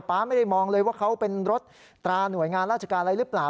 ๊าไม่ได้มองเลยว่าเขาเป็นรถตราหน่วยงานราชการอะไรหรือเปล่า